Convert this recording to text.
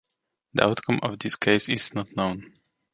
The outcome of this case is not known.